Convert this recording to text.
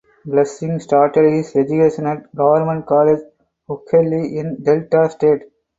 Blessing started his education at Government College Ughelli in Delta State.